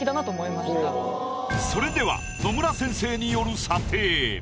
それでは野村先生による。